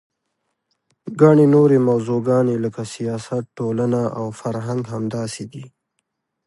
ګڼې نورې موضوعګانې لکه سیاست، ټولنه او فرهنګ همداسې دي.